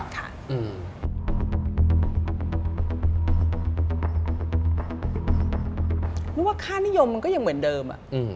เพราะว่าค่านิยมมันก็ยังเหมือนเดิม